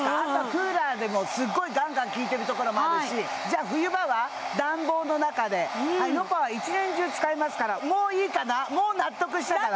クーラーでもすっごいガンガン効いてるところもあるしじゃあ冬場は暖房の中でｎｏｐａは１年中使えますからもういいかなもう納得したかな？